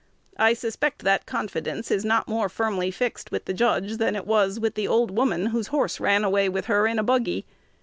I suspect that confidence is not more firmly fixed with the judge than it was with the old woman whose horse ran away with her in a buggy.